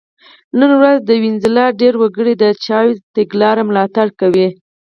نن ورځ د وینزویلا ډېر وګړي د چاوېز د تګلارې ملاتړ کوي.